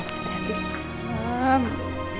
meka kerja dulu ya